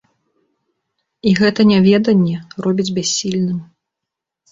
І гэта няведанне робіць бяссільным.